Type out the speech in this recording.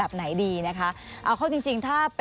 สวัสดีครับ